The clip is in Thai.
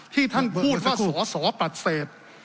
ที่ท่านพูดว่าสสปรัชเศษ